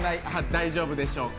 大丈夫でしょうか？